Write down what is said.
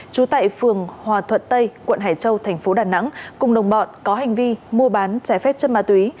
trú tại phường hòa thuận tây quận hải châu tp đà nẵng cùng đồng bọn có hành vi mua bán trái phép chân ma túy